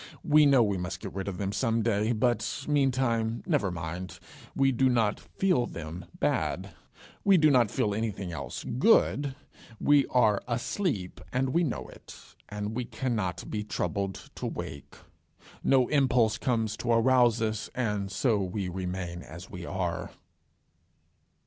We know we must get rid of them some day, but meantime never mind; we do not feel them bad, we do not feel anything else good; we are asleep and we know it, and we cannot be troubled to wake. No impulse comes to arouse us, and so we remain as we are.